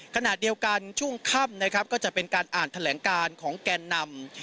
ขณะเดียวกันช่วงค่ำนะครับก็จะเป็นการอ่านแถลงการของแกนนำ